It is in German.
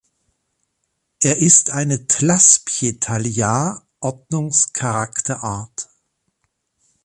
Er ist eine Thlaspietalia-Ordnungscharakterart.